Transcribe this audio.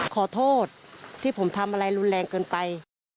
ขอโทษที่ผมทำอะไรรุนแรงเกินไป